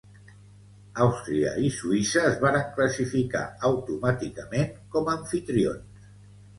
Àustria i Suïssa es varen classificar automàticament com amfitrions.